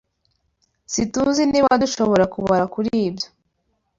SiTUZI niba dushobora kubara kuri ibyo.